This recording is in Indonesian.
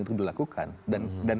untuk dilakukan dan